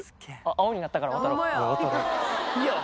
青になったから渡ろう。